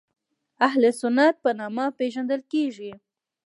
اهل سنت په نامه پېژندل کېږي.